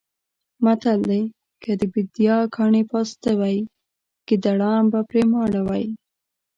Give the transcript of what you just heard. متل دی: که د بېدیا کاڼي پاسته وی ګېدړان به پرې ماړه وی.